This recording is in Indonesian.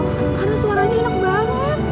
karena suaranya enak banget